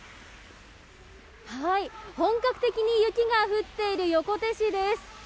本格的に雪が降っている横手市です。